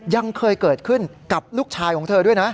ยังเคยเกิดขึ้นกับลูกชายของเธอด้วยนะ